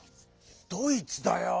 「ドイツ」だよ！